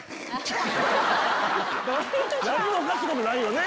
何もおかしいことないよね。